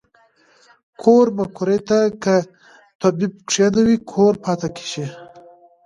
کور مقري ته کۀ طبيب کښېنوې کور پاتې شي